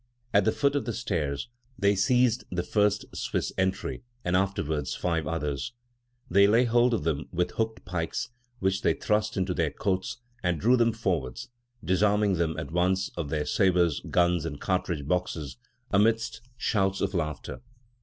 At the foot of the stairs "they seized the first Swiss sentry and afterwards five others. They laid hold of them with hooked pikes which they thrust into their coats and drew them forwards, disarming them at once of their sabres, guns, and cartridge boxes, amidst shouts of laughter.